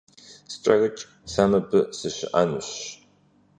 СкӀэрыкӀ, сэ мыбы сыщыӀэнущ!